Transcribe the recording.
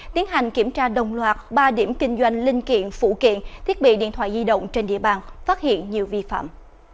tiến hành kiểm tra đồng loạt ba điểm kinh doanh linh kiện phụ kiện thiết bị điện thoại di động trên địa bàn phát hiện nhiều vi phạm